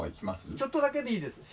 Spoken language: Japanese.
ちょっとだけでいいです。